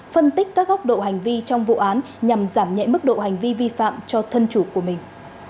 phân tích các góc độ hành vi trong vụ án nhằm giảm nhẹ mức độ hành vi vi phạm cho thân chủ của mình